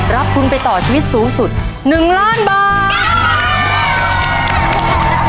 รับทุนไปต่อชีวิตสูงสุด๑ล้านบาท